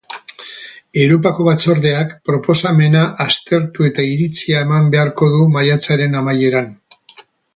Europako Batzordeak proposamena aztertu eta iritzia eman beharko du maiatzaren amaieran.